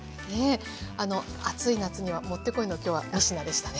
暑い夏にはもってこいの今日は３品でしたね。